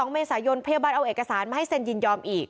๒เมษายนพยาบาลเอาเอกสารมาให้เซ็นยินยอมอีก